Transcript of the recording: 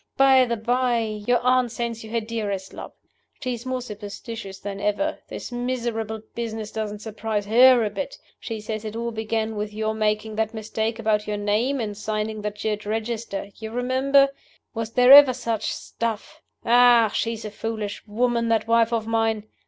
By the by, your aunt sends you her dearest love. She is more superstitious than ever. This miserable business doesn't surprise her a bit. She says it all began with your making that mistake about your name in signing the church register. You remember? Was there ever such stuff? Ah, she's a foolish woman, that wife of mine!